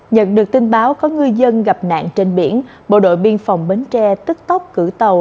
nhận được tin báo có ngư dân gặp nạn trên biển bộ đội biên phòng bến tre tức tốc cử tàu